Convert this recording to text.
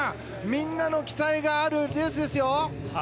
みんなの期待があるレースです。